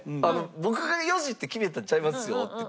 僕が４時って決めたんちゃいますよって言って。